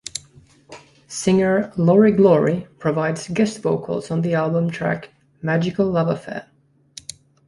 Singer Lori Glori provides guest vocals on the album track "Magical Love Affair".